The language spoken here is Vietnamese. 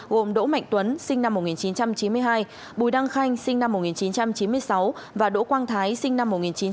gồm đỗ mạnh tuấn sinh năm một nghìn chín trăm chín mươi hai bùi đăng khanh sinh năm một nghìn chín trăm chín mươi sáu và đỗ quang thái sinh năm một nghìn chín trăm tám mươi